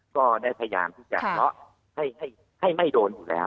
ก็ได้พยายามที่จะเลาะให้ไม่โดนอยู่แล้ว